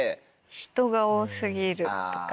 人が多過ぎるとか。